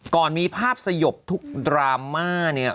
ก่อนมีภาพสยบทุกดราม่าเนี่ย